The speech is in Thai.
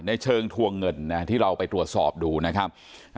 ในเชิงทวงเงินนะที่เราไปตรวจสอบดูนะครับ